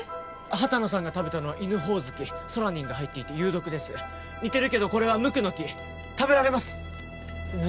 畑野さんが食べたのはイヌホオズキソラニンが入っていて有毒です似てるけどこれはムクノキ食べられます何？